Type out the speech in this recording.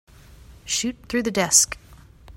Shoot through the desk.